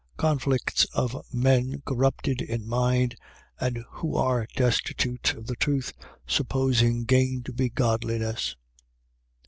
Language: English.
Conflicts of men corrupted in mind and who are destitute of the truth, supposing gain to be godliness.